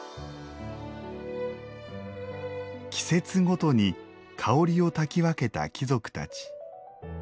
季節ごとに香りをたき分けた貴族たち。